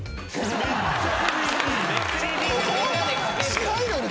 近いのに？